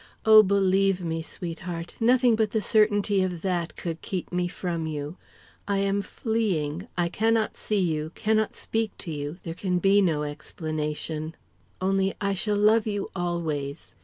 Oh, believe me, sweetheart, nothing but the certainty of that could keep me from you. I am fleeing; I cannot see you, cannot speak to you; there can be no explanation; only I shall love you always!